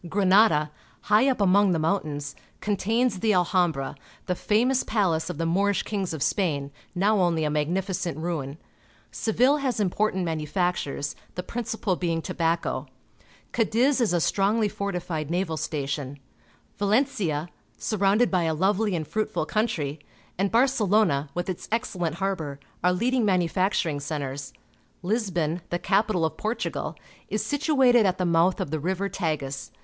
Granada, high up among the mountains, contains the Alhambra, the famous palace of the Moorish kings of Spain, now only a magnificent ruin. Seinlle has important manufactures, the principal being tobacco. Cadiz is a strongly fortified naval station. 196 PUBLIC SCHOOL GEOGRAPHY Valencia, surrounded by a lovely and fruitful country, and Barcelona, with its excellent harbour, are leading manufacturing centres. Lisbon, the capital of Portugal, is situated at the mouth of the river Tagus.